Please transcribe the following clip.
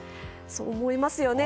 そう思いますよね。